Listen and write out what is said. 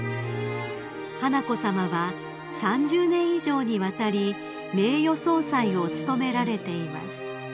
［華子さまは３０年以上にわたり名誉総裁を務められています］